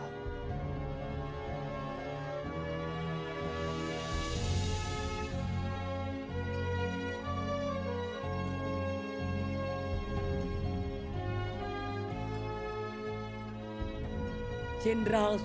mencuba untuk dimakanlah semua